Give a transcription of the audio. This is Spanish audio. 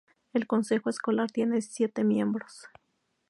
El consejo escolar tiene siete miembros.